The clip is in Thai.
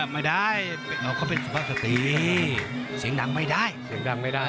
ไม่ได้เขาเป็นสุภาพสติเสียงดังไม่ได้เสียงดังไม่ได้